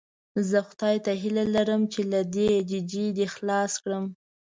زه خدای ته هیله لرم چې له دې ججې دې خلاص کړم.